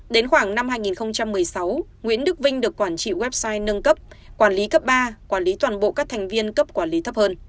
đến khoảng năm hai nghìn một mươi sáu nguyễn đức vinh được quản trị website nâng cấp quản lý cấp ba quản lý toàn bộ các thành viên cấp quản lý thấp hơn